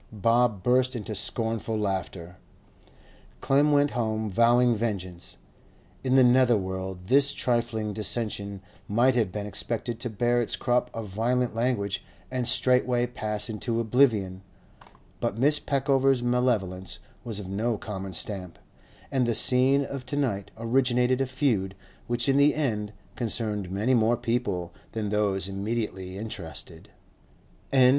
Bob burst into scornful laughter. Clem went home vowing vengeance. In the nether world this trifling dissension might have been expected to bear its crop of violent language and straightway pass into oblivion; but Miss Peckover's malevolence was of no common stamp, and the scene of to night originated a feud which in the end concerned many more people than those immediately interested.